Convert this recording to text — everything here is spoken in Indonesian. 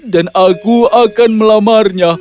dan aku akan melamarnya